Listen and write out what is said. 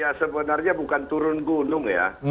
ya sebenarnya bukan turun gunung ya